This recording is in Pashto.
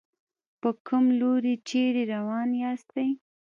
په کوم لوري چېرې روان ياستئ.